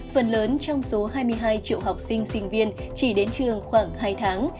phần lớn trong số hai mươi hai triệu học sinh sinh viên chỉ đến trường khoảng hai tháng